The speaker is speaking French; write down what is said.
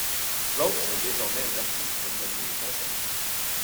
Rops est désormais un artiste reconnu et consacré.